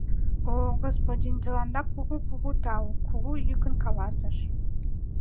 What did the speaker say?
— О-о, господин, тыланда кугу-кугу тау! — кугу йӱкын каласыш.